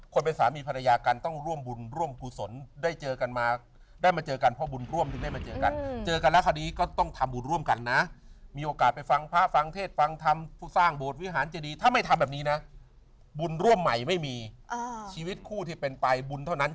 อคุณแพทย์เนี่ยเป็นน้องสาวนี้มานานมากอะนะ